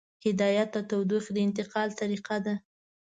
هدایت د تودوخې د انتقال طریقه ده.